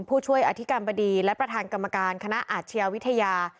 ผู้ช่วยอธิกรรมบดีและประธานกรรมการคณะอาชญาวิทยา